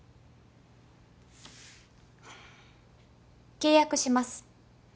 契約します。